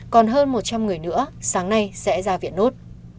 còn hơn một trăm linh người nữa sáng nay sẽ ra viện nốt